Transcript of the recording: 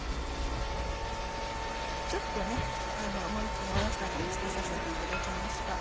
ちょっともう１品野菜をつけさせていただきました。